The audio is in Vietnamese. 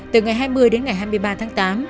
từ ngày hai mươi đến ngày hai mươi ba tháng tám